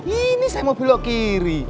ini saya mau belok kiri